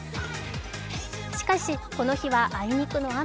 しかし、この日は、あいにくの雨。